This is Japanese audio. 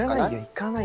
行かない？